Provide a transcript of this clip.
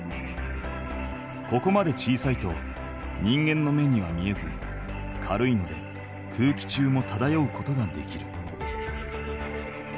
ここまで小さいと人間の目には見えず軽いので空気中もただようことができる。